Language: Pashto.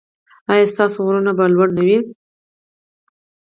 ایا ستاسو غرونه به لوړ نه وي؟